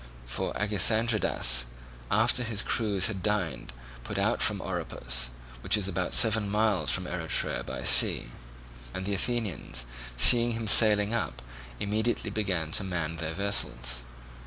For Agesandridas, after his crews had dined, put out from Oropus, which is about seven miles from Eretria by sea; and the Athenians, seeing him sailing up, immediately began to man their vessels.